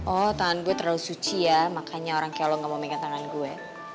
oh tangan gue terlalu suci ya makanya orang kelo gak mau megat tangan gue